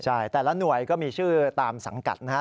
ใช่แต่ละหน่วยก็มีชื่อตามสังกัดนะฮะ